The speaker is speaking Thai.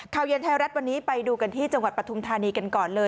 ข่าวเย็นไทยรัฐวันนี้ไปดูกันที่จังหวัดปฐุมธานีกันก่อนเลย